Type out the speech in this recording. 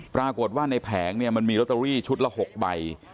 ปรากฏว่าในแผงเนี่ยมันมีลอตเตอรี่ชุดละ๖ใบ